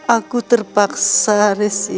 aku terpaksa resi